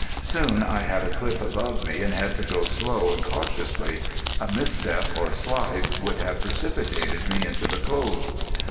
Soon I had a cliff above me and had to go slow and cautiously. A misstep or slide would have precipitated me into the cove.